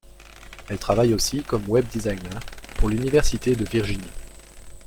Elle travaille aussi comme web designer pour l'université de Virginie.